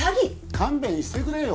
勘弁してくれよ。